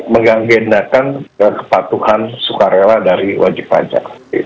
mengagendakan kepatuhan sukarela dari wajib pajak